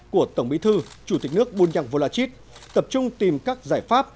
của tổng bí thư chủ tịch nước bunyang volachit tập trung tìm các giải pháp